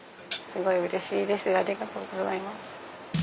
すごいうれしいですありがとうございます。